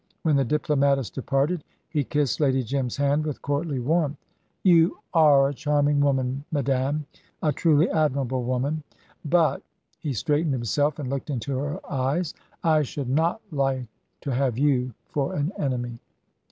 When the diplomatist departed he kissed Lady Jim's hand with courtly warmth. "You are a charming woman, madame a truly admirable woman; but" he straightened himself, and looked into her eyes "I should not like to have you for an enemy."